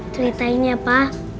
ceritain ya pa